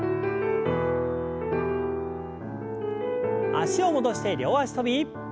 脚を戻して両脚跳び。